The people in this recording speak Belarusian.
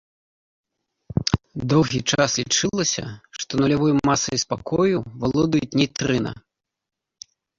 Доўгі час лічылася, што нулявой масай спакою валодаюць нейтрына.